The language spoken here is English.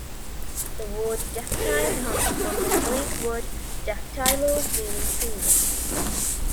The word dactyl comes from the Greek word "daktylos" meaning "finger".